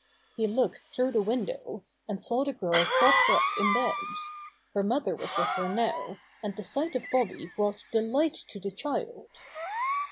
He looked through the window and saw the girl propped up in bed. Her mother was with her now, and the sight of Bobby brought delight to the child.